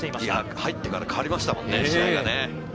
入ってから変わりましたもんね、試合が。